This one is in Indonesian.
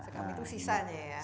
sekam itu sisanya ya